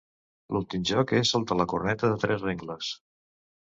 L'últim joc és el de la Corneta de tres rengles.